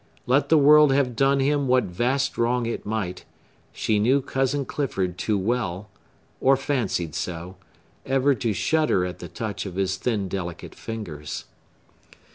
Let the world have done him what vast wrong it might, she knew Cousin Clifford too well—or fancied so—ever to shudder at the touch of his thin, delicate fingers.